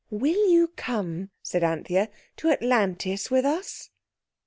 "Will you come," said Anthea, "to Atlantis with us?"